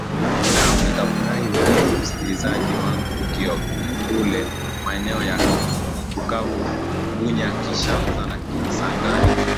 naam nitafurahi wewe musikilizaji wangu uliokokule maeneo ya bukavu bunya kinshansa kisangani